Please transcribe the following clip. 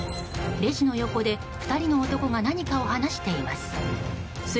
レジの横で、２人の男が何かを話しています。